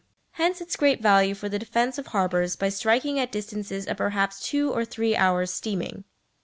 Hence its great value for the defence of harbours by striking at distances of perhaps two or three hours' steaming.